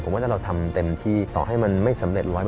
ผมว่าถ้าเราทำเต็มที่ต่อให้มันไม่สำเร็จร้อน